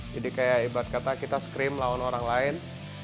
jadi kayak ibad kata kita scrim lawan orang lain